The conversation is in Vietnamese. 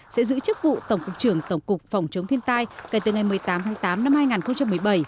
sẽ giữ chức vụ tổng cục trưởng tổng cục phòng chống thiên tai kể từ ngày một mươi tám tháng tám năm hai nghìn một mươi bảy